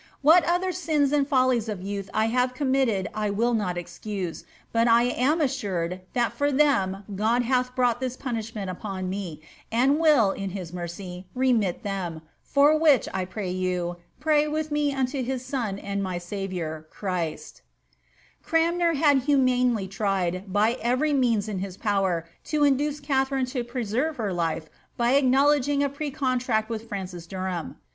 What other sins and follies of youth I have committed I will not excuse ; but 1 am assured that for them God hath brought thif punishment upon me, and will, in his mercy, remit them, for which, 1 pray you, pray with me unto his Son and my Saviour, Christ'" Cranmer had humanely tried, by every means in his power, to indoce Katliarine to preserve her life by acknowledging a precontnct witb Francis Derham.